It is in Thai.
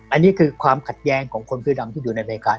อันนี้คือความขัดแย้งของคนเสื้อดำที่อยู่ในอเมริกา